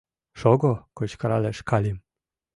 Шого! — кычкыралеш Калим.